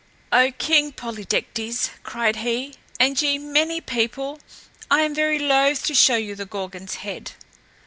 "O King Polydectes," cried he, "and ye many people, I am very loath to show you the Gorgon's head!"